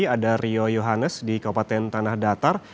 ada rio yohannes di kabupaten tanah datar